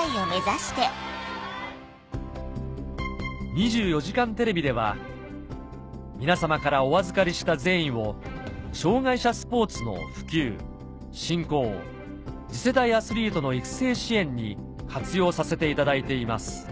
『２４時間テレビ』では皆様からお預かりした善意を障がい者スポーツの普及振興次世代アスリートの育成支援に活用させていただいています